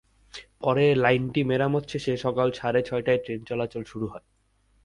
পরে লাইনটি মেরামত শেষে সকাল সাড়ে ছয়টায় ট্রেন চলাচল শুরু হয়।